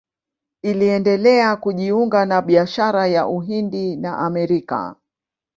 Iliendelea kujiunga na biashara ya Uhindi na Amerika.